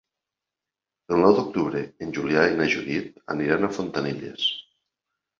El nou d'octubre en Julià i na Judit aniran a Fontanilles.